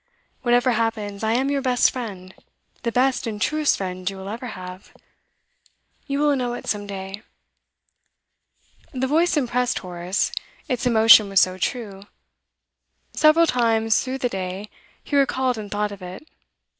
Whatever happens, I am your best friend the best and truest friend you will ever have. You will know it some day.' The voice impressed Horace, its emotion was so true. Several times through the day he recalled and thought of it.